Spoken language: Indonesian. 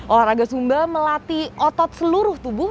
olahraga sumba melatih otot seluruh tubuh